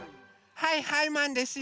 はいはいマンですよ！